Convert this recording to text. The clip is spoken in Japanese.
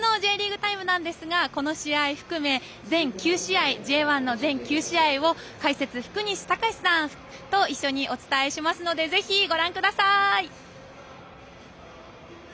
明日の「Ｊリーグタイム」はこの試合含め、Ｊ１の全９試合を解説、福西崇史さんと一緒にお伝えしますのでぜひ、ご覧ください！